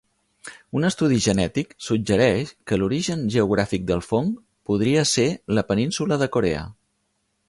Un estudi genètic suggereix que l'origen geogràfic del fong podria ser la Península de Corea.